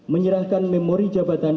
menyerahkan memori jabatan